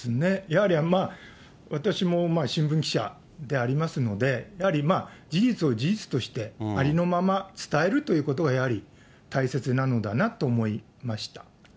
やはり私も新聞記者でありますので、やはり事実を事実として、ありのまま伝えるということがやはり大切なのだなと思いました。